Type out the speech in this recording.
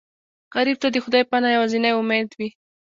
غریب ته د خدای پناه یوازینی امید وي